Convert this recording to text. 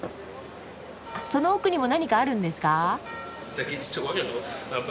その奥にも何かあるんですか？